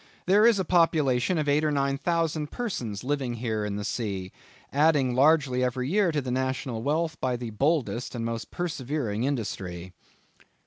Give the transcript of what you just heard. There is a population of eight or nine thousand persons living here in the sea, adding largely every year to the National wealth by the boldest and most persevering industry."